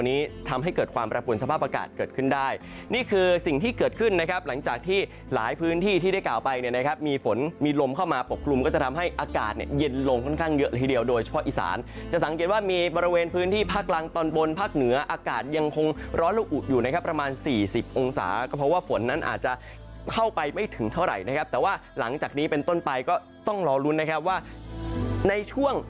นี่คือสิ่งที่เกิดขึ้นนะครับหลังจากที่หลายพื้นที่ที่ได้กล่าวไปเนี่ยนะครับมีฝนมีลมเข้ามาปกครุมก็จะทำให้อากาศเนี่ยเย็นลงค่อนข้างเยอะทีเดียวโดยเฉพาะอิสานจะสังเกตว่ามีบริเวณพื้นที่ภาคลังตอนบนภาคเหนืออากาศยังคงร้อนและอุดอยู่นะครับประมาณสี่สิบองศาก็เพราะว่าฝนนั้นอ